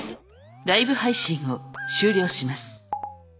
ライブ配信を終了します。